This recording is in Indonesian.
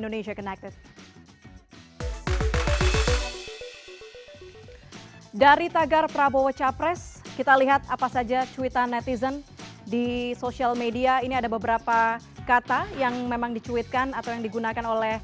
direktur eksekutif carata politika